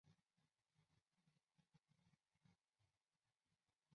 所幸两辆法拉利皆能继续比赛。